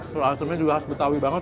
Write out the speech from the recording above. sayur asemnya juga khas betawi banget